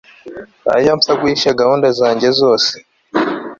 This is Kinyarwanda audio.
ntajya mfa guhisha gahunda zanjye zose